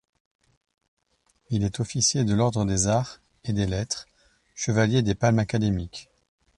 Il est officier de l’Ordre des arts et des lettres, chevalier des Palmes académiques.